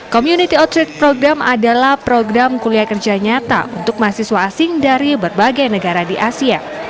community outreate program adalah program kuliah kerja nyata untuk mahasiswa asing dari berbagai negara di asia